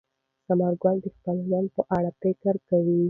ثمر ګل د خپل ژوند په اړه فکر کاوه.